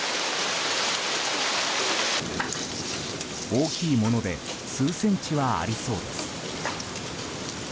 大きいもので数センチはありそうです。